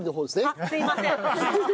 あっすいません。